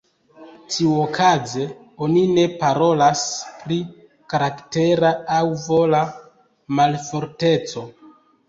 Tiuokaze, oni ne parolas pri karaktera aŭ vola malforteco.